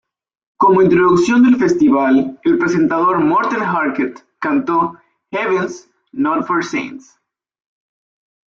Como introducción del festival el presentador Morten Harket cantó "Heaven's Not For Saints".